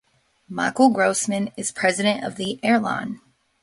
Michael Grossmann is President of the airline.